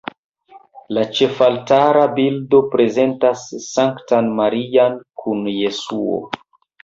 La ĉefaltara bildo prezentas Sanktan Marian kun Jesuo.